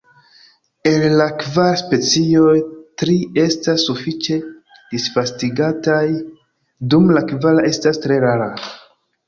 El la kvar specioj, tri estas sufiĉe disvastigataj, dum la kvara estas tre rara.